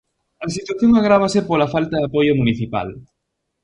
A situación agrávase pola falta de apoio municipal.